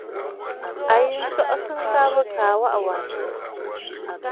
A yi nstsɔʼɔ ŋkabə kaa waʼà wàŋsə̀ ǹtu.